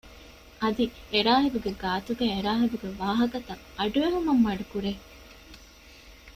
އަދި އެރާހިބުގެ ގާތުގައި އެރާހިބުގެ ވާހަކަތައް އަޑުއެހުމަށް މަޑުކުރޭ